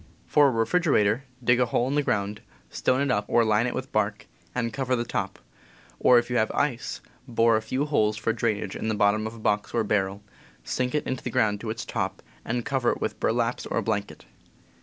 For a refrigerator, dig a hole in the ground, stone it up or line it with bark, and cover the top; or, if you C Id St have ice, bore a few holes for drainage in the bottom of a box or barrel, sink it in the ground to its top, and cover with burlaps or a blanket.